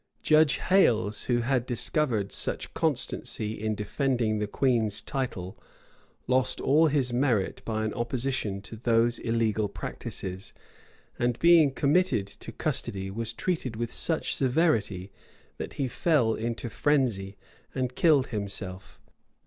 Judge Hales, who had discovered such constancy in defending the queen's title, lost all his merit by an opposition to those illegal practices; and being committed to custody, was treated with such severity, that he fell into frenzy, and killed himself.